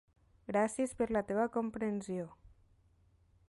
Gràcies per la teva comprensió.